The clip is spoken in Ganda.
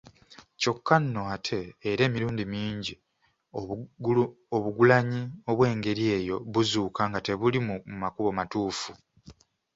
Kyokka nno ate era emirundi mingi obugulanyi obw’engeri eyo buzuuka nga tebuli mu makubo matuufu.